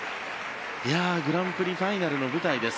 グランプリファイナルの舞台です。